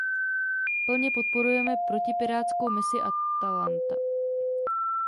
Plně podporujeme protipirátskou misi Atalanta.